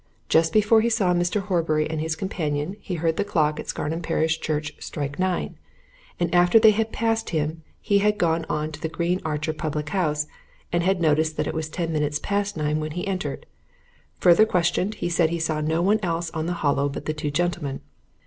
Just before he saw Mr. Horbury and his companion, he heard the clock at Scarnham Parish Church strike nine, and after they had passed him he had gone on to the Green Archer public house, and had noticed that it was ten minutes past nine when he entered. Further questioned, he said he saw no one else on the Hollow but the two gentlemen.